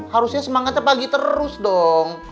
harusnya semangatnya pagi terus dong